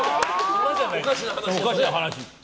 おかしな話。